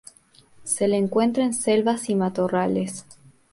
Se le encuentra en selvas y matorrales.